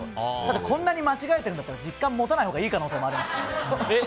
こんなに間違えてるんだったら実感持たないほうがいい可能性もありますね。